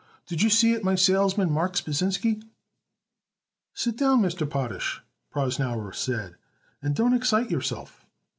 Did you seen it my salesman, Marks Pasinsky?" "Sit down, Mr. Potash," Prosnauer said, "and don't excite yourself."